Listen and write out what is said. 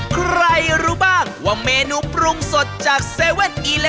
ใครรู้บ้างว่าเมนูปรุงสดจาก๗๑๑